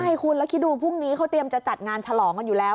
ใช่คุณแล้วคิดดูพรุ่งนี้เขาเตรียมจะจัดงานฉลองกันอยู่แล้ว